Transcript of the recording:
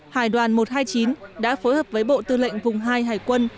hải đoàn một trăm hai mươi chín đã phối hợp với bộ tư lệnh vùng hai hải quân